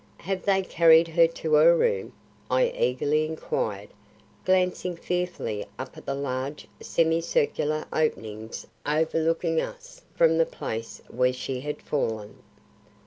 "Have they carried her to her room?" I eagerly inquired, glancing fearfully up at the large semi circular openings overlooking us from the place where she had fallen.